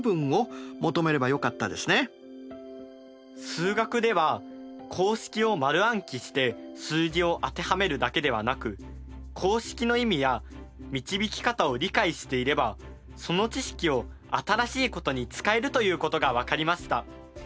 数学では公式を丸暗記して数字を当てはめるだけではなく公式の意味や導き方を理解していればその知識を新しいことに使えるということが分かりました。